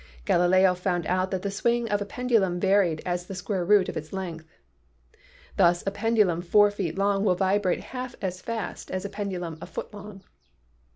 Galileo found out that the swing of a pendulum varied as the square root of its length. Thus a pendulum four feet long will vibrate half as fast as a pendulum a foot long.